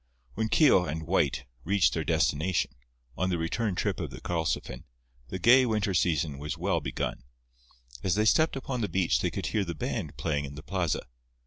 When Keogh and White reached their destination, on the return trip of the Karlsefin, the gay winter season was well begun. As they stepped upon the beach they could hear the band playing in the plaza.